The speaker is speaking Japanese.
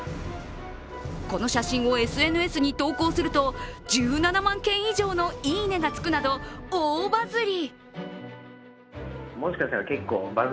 この写真をＳＮＳに投稿すると、１７万件以上のいいねがつくなど、大バズリ。